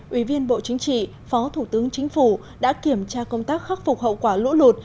ủy viên bộ chính trị phó thủ tướng chính phủ đã kiểm tra công tác khắc phục hậu quả lũ lụt